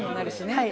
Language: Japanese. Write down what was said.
はい。